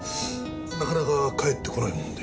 なかなか帰ってこないもんで。